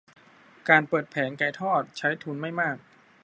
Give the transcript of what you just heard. การเปิดแผงไก่ทอดใช้ทุนไม่มาก